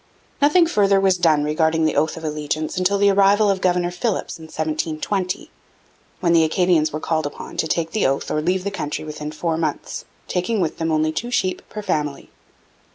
Nothing further was done regarding the oath of allegiance until the arrival of Governor Philipps in 1720, when the Acadians were called upon to take the oath or leave the country within four months, taking with them only two sheep per family.